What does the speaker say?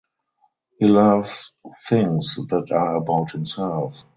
He loves things that are about himself.